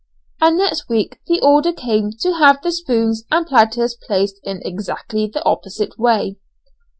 And next week the order came to have the spoons and platters placed in exactly the opposite way!